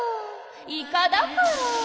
イカだから。